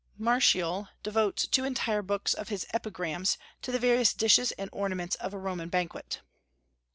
Martial devotes two entire books of his "Epigrams" to the various dishes and ornaments of a Roman banquet.